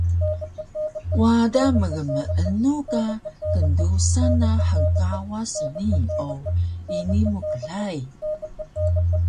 Wada mgmeenu ka kndusan na hngkawas snii o ini mu klai